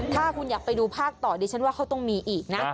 ถ้าคุณอยากไปดูภาคต่อดิฉันว่าเขาต้องมีอีกนะ